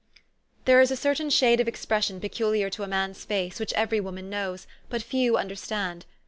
There is a certain shade of expression peculiar to a man's face, which every woman knows, but few understand.